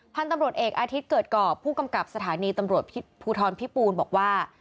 พันธุ์ตำรวจเอกอาทิตย์เกิดกรอบผู้กำกับสถานีตำรวจภูทรพิปูนบอกว่า